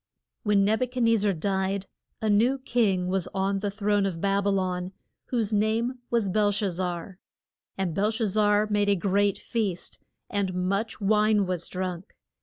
When Neb u chad nez zar died, a new king was on the throne of Bab y lon whose name was Bel shaz zar. And Bel shaz zar made a great feast, and much wine was drunk.